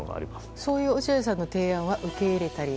そういう落合さんの提案は受け入れたり？